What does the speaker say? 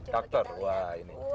faktor wah ini